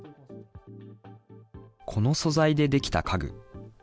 この素材で出来た家具。